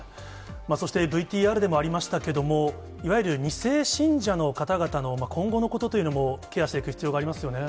そしてＶＴＲでもありましたけれども、いわゆる２世信者の方々の今後のことというのも、ケアしていく必要がありますよね。